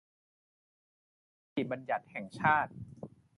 สภานิติบัญญัติแห่งชาติ